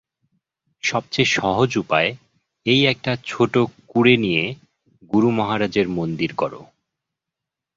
সবচেয়ে সহজ উপায় এই একটা ছোট কুঁড়ে নিয়ে গুরু-মহারাজের মন্দির কর।